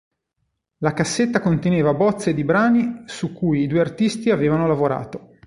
La cassetta conteneva bozze di brani su cui i due artisti avevano lavorato.